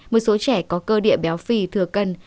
một số trẻ có cơ địa béo phì thừa cân